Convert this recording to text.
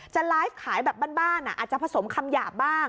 จะไลฟ์ขายแบบบ้านอาจจะผสมคำหยาบบ้าง